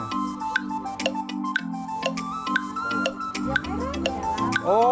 biasanya mereknya lah